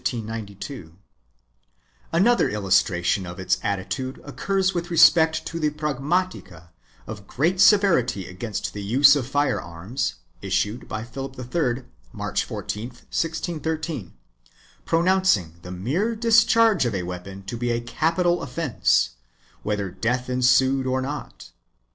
2 Another illustration of its attitude occurs with respect to a pragmatica of great severity against the use of fire arms, issued by Philip III, March 14, 1613, pronouncing the mere discharge of a weapon to be a capital offence, whether death ensued or not.